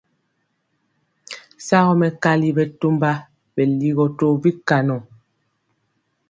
Shagɔ mɛkali bɛtɔmba bɛ ligɔ tɔ bikaŋɔ.